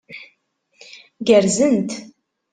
Gerrzent.